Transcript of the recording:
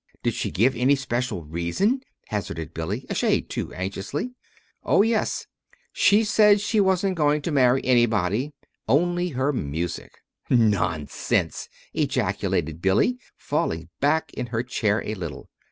"Did she give any special reason?" hazarded Billy, a shade too anxiously. "Oh, yes. She said she wasn't going to marry anybody only her music." "Nonsense!" ejaculated Billy, falling back in her chair a little.